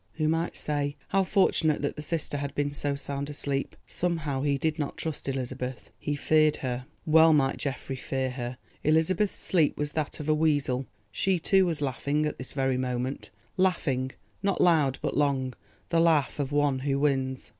Who might say? How fortunate that the sister had been so sound asleep. Somehow he did not trust Elizabeth—he feared her. Well might Geoffrey fear her! Elizabeth's sleep was that of a weasel. She too was laughing at this very moment, laughing, not loud but long—the laugh of one who wins.